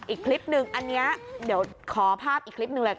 อีกคลิปนึงอันนี้เดี๋ยวขอภาพอีกคลิปหนึ่งเลย